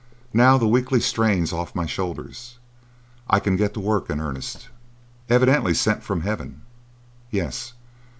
Now the weekly strain's off my shoulders, I can get to work in earnest. Evidently sent from heaven. Yes.